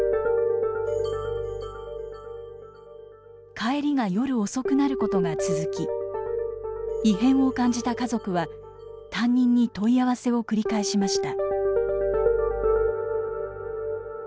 帰りが夜遅くなることが続き異変を感じた家族は担任に問い合わせを繰り返しました。